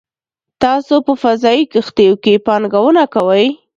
تاسو په فضايي کښتیو کې پانګونه کوئ